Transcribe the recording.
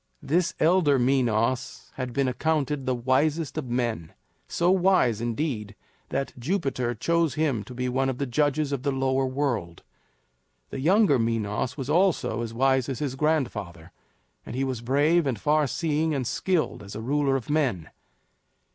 This elder Minos had been accounted the wisest of men so wise, indeed, that Jupiter chose him to be one of the judges of the Lower World. The younger Minos was almost as wise as his grandfather; and he was brave and far seeing and skilled as a ruler of men.